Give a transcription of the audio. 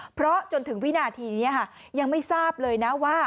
เพราะจนถึงวินาทีนี้ยังไม่ทราบเลยนะว่า